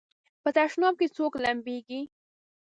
په تشناب کې څوک لمبېږي؟